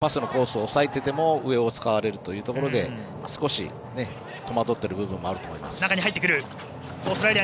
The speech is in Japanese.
ちょっと日本の選手はパスのコースを押さえてでも上を使われるというところで少し、戸惑ってる部分もあると思います。